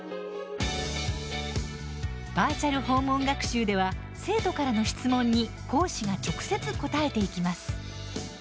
バーチャル訪問学習では生徒からの質問に講師が直接、答えていきます。